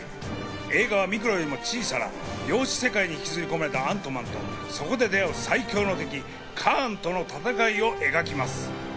映画はミクロよりもさらに小さな量子世界に引きずり込まれたアントマンと、そこで出会う最凶の敵・カーンとの戦いを描きます。